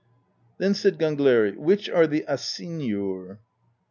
Then said Gangleri: "Which are the Asynjur?"